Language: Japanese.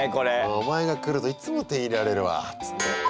「お前が来るといっつも点入れられるわ」っつって。